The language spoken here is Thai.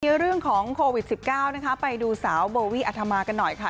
เรื่องของโควิด๑๙นะคะไปดูสาวโบวี่อัธมากันหน่อยค่ะ